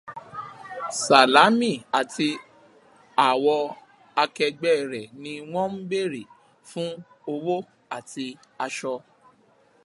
Sàlámì àti àwọ akẹgbẹ́ rẹ̀ ni wọn ń bèèrè fún owó àti aṣọ